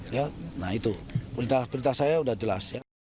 ya nah itu berita berita saya sudah jelas